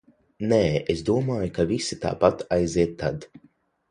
Nē, es domāju, ka visi tāpat aiziet tad.